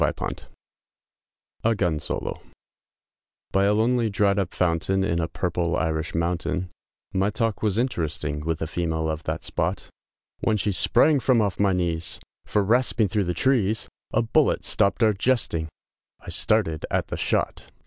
BY a lonely dried up fountain, In a purple Irish mountain, My talk was interesting, With a female of that spot, When she sprang from off my knees; For rasping thro' the trees, A bullet stopped our jesting, I started at the shot!